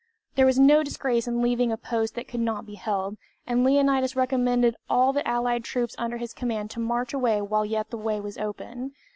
There was no disgrace in leaving a post that could not be held, and Leonidas recommended all the allied troops under his command to march away while yet the way was open.